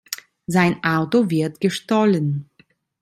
Sein Auto wird gestohlen.